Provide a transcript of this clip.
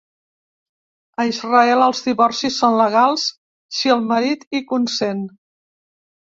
A Israel els divorcis són legals si el marit hi consent.